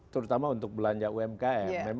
terutama untuk belanja umkm